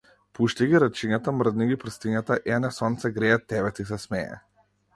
Пушти ги рачињата, мрдни ги прстињата, ене сонце грее, тебе ти се смее.